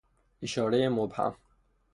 اشارهی مبهم